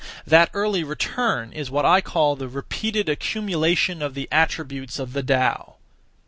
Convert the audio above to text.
That early return is what I call the repeated accumulation of the attributes (of the Tao).